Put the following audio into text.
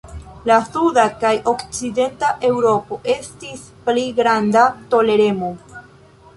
En suda kaj okcidenta Eŭropo estis pli granda toleremo.